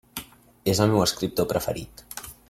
És el meu escriptor preferit.